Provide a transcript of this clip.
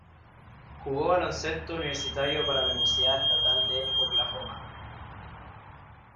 Jugó baloncesto universitario para la Universidad Estatal de Oklahoma.